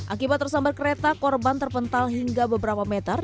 akibat tersambar kereta korban terpental hingga beberapa meter